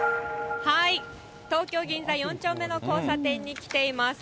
東京・銀座４丁目の交差点に来ています。